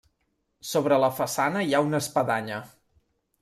Sobre la façana hi ha una espadanya.